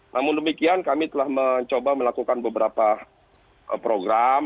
namun demikian kami telah mencoba melakukan beberapa program